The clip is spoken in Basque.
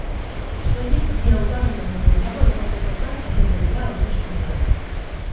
Soilik bi hautagai baino gehiago egotekotan egingo dira hauteskundeak.